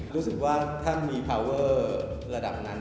รู้สึกว่าถ้ามีพาวเวอร์ระดับนั้น